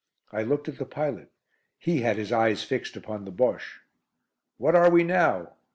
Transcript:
I looked at the pilot. He had his eyes fixed upon the Bosche. "What are we now?"